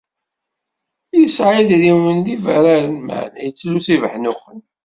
Yesɛa idrimen d ibararen, meɛna yettlus ibeḥnuqen